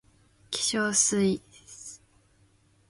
化粧水 ｓ